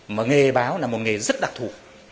mà nghề báo là một nghề rất đặc thủ